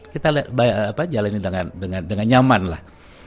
kita jalanin dengan nyaman lah